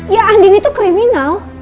ya andin itu kriminal